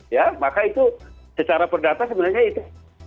ya maka itu secara perdata sebenarnya itu